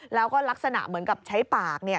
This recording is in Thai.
แล้วก็ลักษณะเหมือนกับใช้ปาก